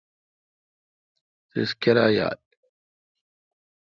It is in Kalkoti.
تیس کیرایال؟